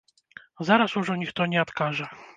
Зараз ужо ніхто не адкажа.